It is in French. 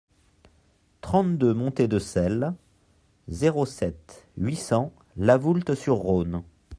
trente-deux montée de Celles, zéro sept, huit cents La Voulte-sur-Rhône